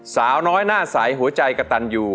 สาวน้อยหน้าใสหัวใจกระตันอยู่